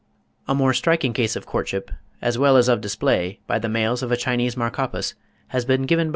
A more striking case of courtship, as well as of display, by the males of a Chinese Macropus has been given by M.